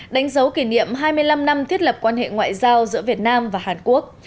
đánh dấu kỷ niệm hai mươi năm năm thiết lập quan hệ ngoại giao giữa việt nam và hàn quốc